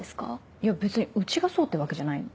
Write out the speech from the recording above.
いや別にうちがそうってわけじゃないの。